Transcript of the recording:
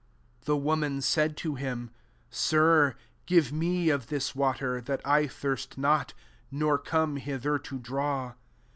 15 The woman said to him, ^ Sir, give me of this water, that I thirst not, nor come hither to draw."